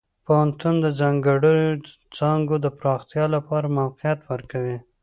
پوهنتون د ځانګړو څانګو د پراختیا لپاره موقعیت ورکوي.